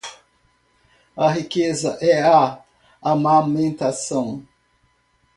A riqueza é a amamentação